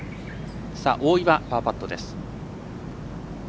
大岩、パーパット。